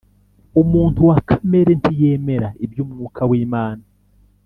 umuntu wa kamere ntiyemera iby'Umwuka w'Imana